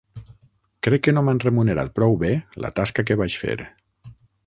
Crec que no m'han remunerat prou bé la tasca que vaig fer.